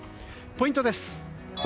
ポイントです。